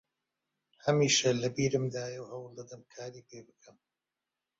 هەمیشە لە بیرمدایە و هەوڵ دەدەم کاری پێ بکەم